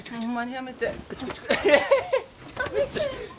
やめて。